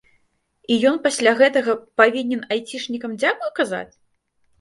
І ён пасля гэтага павінен айцішнікам дзякуй казаць?